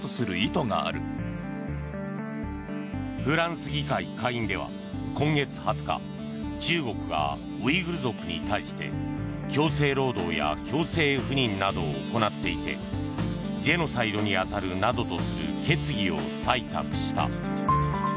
フランス議会下院では今月２０日中国がウイグル族に対して強制労働や強制不妊などを行っていてジェノサイドに当たるなどとする決議を採択した。